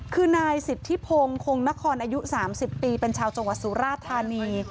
คือนายสิทธิพงศ์คงนครอายุ๓๐ปีเป็นชาวจังหวัดสุราธานี